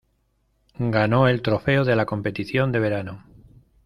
Ganó el trofeo de la competición de verano.